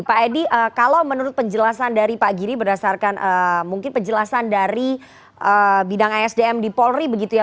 pak edi kalau menurut penjelasan dari pak giri berdasarkan mungkin penjelasan dari bidang asdm di polri begitu ya